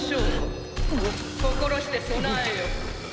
心して備えよ。